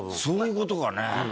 そういう事かね。